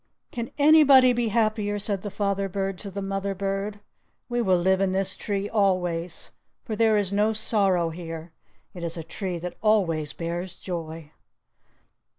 "Can anybody be happier?" said the father bird to the mother bird. "We will live in this tree always, for there is no sorrow here. It is a tree that always bears joy."